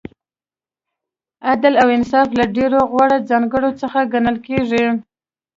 عدل او انصاف له ډېرو غوره ځانګړنو څخه ګڼل کیږي.